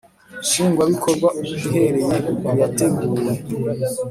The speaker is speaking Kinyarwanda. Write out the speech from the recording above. Nshingwabikorwa ihereye ku yateguwe